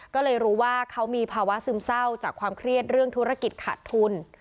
ก็เลยรู้ว่าเขามีภาวะซึมเศร้าจากความเครียดเรื่องธุรกิจขาดทุน